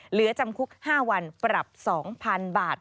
เหลือจำคุก๕วันปรับ๒๐๐๐บาท